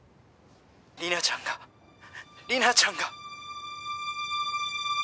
莉奈ちゃんが莉奈ちゃんが。